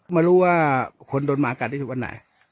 มรู้ว่าคนโดนมากันที่ไหน